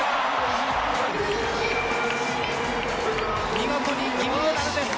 見事に金メダルです！